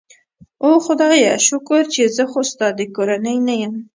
اوه خدایه، شکر چې زه خو ستا د کورنۍ نه یم.